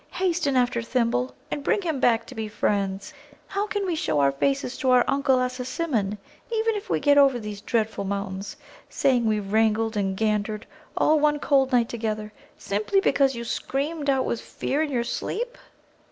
Hasten after Thimble, and bring him back to be friends. How can we show our faces to our Uncle Assasimmon, even if we get over these dreadful mountains, saying we wrangled and gandered all one cold night together simply because you screamed out with fear in your sleep?"